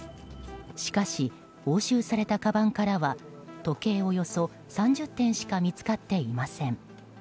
しかし、押収されたかばんからは時計およそ３０点しか見つかっていません。